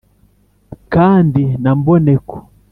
kandi na mboneko,